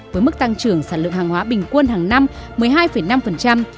với mức tăng trưởng sản lượng hàng hóa bình quân hàng năm một mươi hai năm